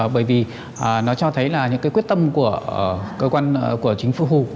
bởi vì nó cho thấy những quyết tâm của chính phủ hùng